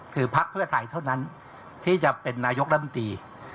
คือพักเพื่อไทยเท่านั้นที่จะเป็นนายกรัฐมนตรี